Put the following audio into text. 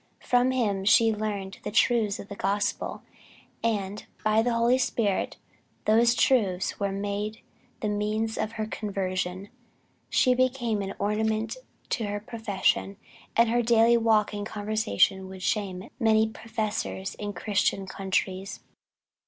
From him she learned the truths of the gospel, and by the Holy Spirit those truths were made the means of her conversion. "She became an ornament to her profession, and her daily walk and conversation would shame many professors in Christian countries."